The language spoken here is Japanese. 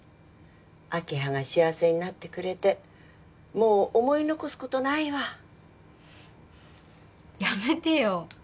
明葉が幸せになってくれてもう思い残すことないわやめてよ